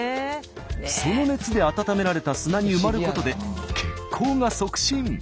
その熱で温められた砂に埋まることで血行が促進。